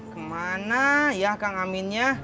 kemana ya kang aminnya